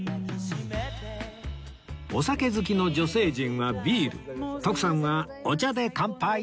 お酒好きの女性陣はビール徳さんはお茶で乾杯！